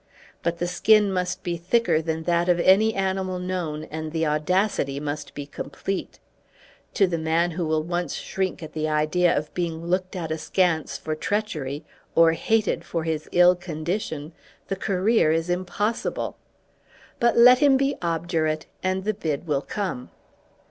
But the skin must be thicker than that of any animal known, and the audacity must be complete. To the man who will once shrink at the idea of being looked at askance for treachery, or hated for his ill condition, the career is impossible. But let him be obdurate, and the bid will come.